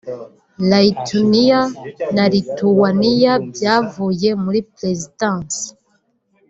Layituniya na Lituwaniya byavuye muri Perezidansi